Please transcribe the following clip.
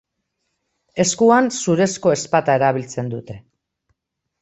Eskuan zurezko ezpata erabiltzen dute.